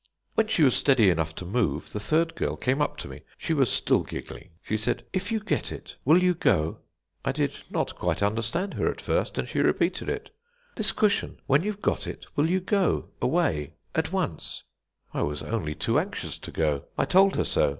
"When she was steady enough to move, the third girl came up to me; she was still giggling. She said: "'If you get it, will you go?' "I did not quite understand her at first, and she repeated it. "'This cushion. When you've got it, will you go away at once?' "I was only too anxious to go. I told her so.